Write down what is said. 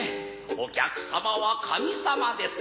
「お客様は神様です」。